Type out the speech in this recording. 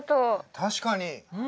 確かに。